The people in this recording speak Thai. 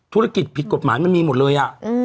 ธุรกิจผิดกฎหมายมันมีหมดเลย